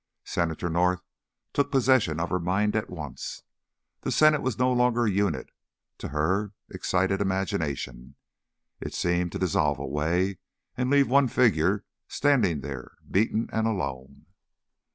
Senator North took possession of her mind at once. The Senate was no longer a unit to her excited imagination; it seemed to dissolve away and leave one figure standing there beaten and alone.